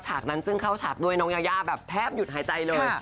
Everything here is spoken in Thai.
ฉกนั้นซึ่งเข้าฉากด้วยน้องยายาแบบแทบหยุดหายใจเลย